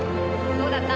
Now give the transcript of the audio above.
どうだった？